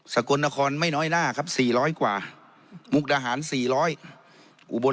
สกลนครไม่น้อยหน้าครับสี่ร้อยกว่ามุกฎาหารสี่ร้อยอุบล